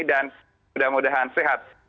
dan mudah mudahan sehat